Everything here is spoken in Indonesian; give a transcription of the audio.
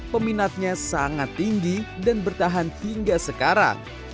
peminatnya sangat tinggi dan bertahan hingga sekarang